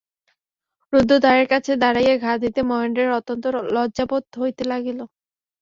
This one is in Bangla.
রুদ্ধ দ্বারের কাছে দাঁড়াইয়া ঘা দিতে মহেন্দ্রের অত্যন্ত লজ্জাবোধ হইতে লাগিল।